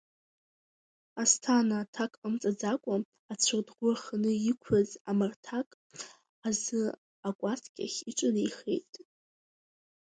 Асҭана аҭак ҟамҵаӡакәа ацәардӷәы аханы иқәз амарҭақ азы акәасқьахь иҿынеихеит.